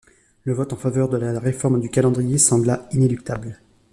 Le vote en faveur de la réforme du calendrier sembla inéluctable.